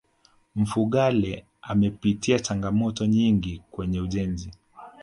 mfugale amepitia changamoto nyingi kwenye ujenzi